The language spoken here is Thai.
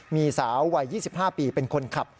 มีสาววัย๒๕ปีเป็นคนขับ